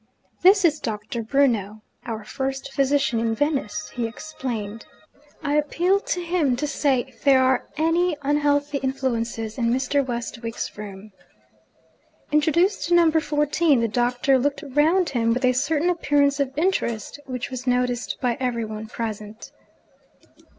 'This is Doctor Bruno, our first physician in Venice,' he explained. 'I appeal to him to say if there are any unhealthy influences in Mr. Westwick's room.' Introduced to Number Fourteen, the doctor looked round him with a certain appearance of interest which was noticed by everyone present.